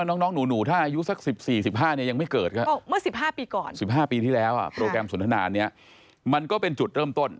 เออใช่ไหมใช่ไหมอันนี้ยังทันอยู่อันนี้ยังพอได้ใช้อยู่